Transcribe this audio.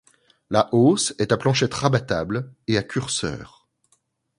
La hausse est à planchette rabattable et à curseur.